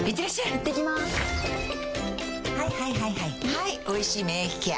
はい「おいしい免疫ケア」